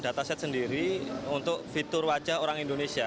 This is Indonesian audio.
dataset sendiri untuk fitur wajah orang indonesia